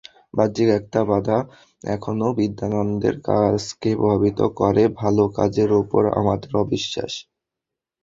বাহ্যিক একটা বাধা এখনো বিদ্যানন্দের কাজকে প্রভাবিত করে—ভালো কাজের ওপর আমাদের অবিশ্বাস।